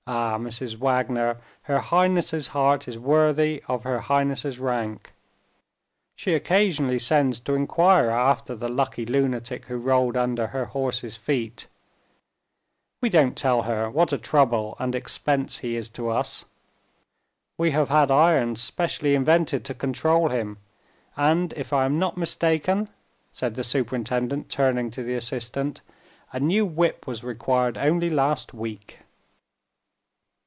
Ah, Mrs. Wagner, her highness's heart is worthy of her highness's rank. She occasionally sends to inquire after the lucky lunatic who rolled under her horse's feet. We don't tell her what a trouble and expense he is to us. We have had irons specially invented to control him; and, if I am not mistaken," said the superintendent, turning to the assistant, "a new whip was required only last week."